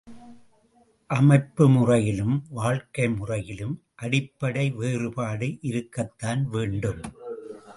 அமைப்பு முறையிலும் வாழ்க்கை முறையிலும் அடிப்படை வேறுபாடு இருக்கத்தான் வேண்டும்.